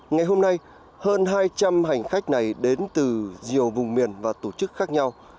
ngày hôm nay hơn hai trăm linh hành khách này đến từ nhiều vùng miền và tổ chức khác nhau